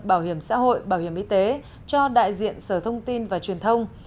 bảo hiểm xã hội bảo hiểm y tế cho đại diện sở thông tin và truyền thông